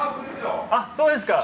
（あっそうですか。